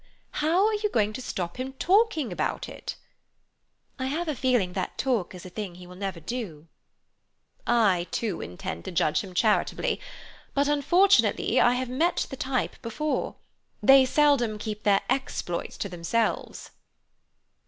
"How are you going to stop him talking about it?" "I have a feeling that talk is a thing he will never do." "I, too, intend to judge him charitably. But unfortunately I have met the type before. They seldom keep their exploits to themselves."